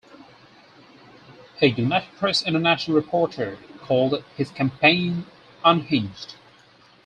A United Press International reporter called his campaign unhinged.